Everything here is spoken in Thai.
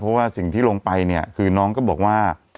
เพราะว่าสิ่งที่ลงไปเนี่ยคือน้องก็บอกว่า